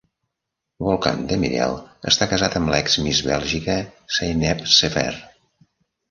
Volkan Demirel està casat amb l'ex Miss Bèlgica Zeynep Sever.